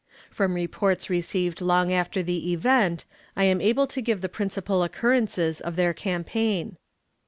From reports received long after the event, I am able to give the principal occurrences of their campaign.